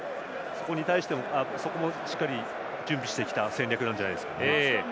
そこもしっかり準備してきた戦略なんじゃないですかね。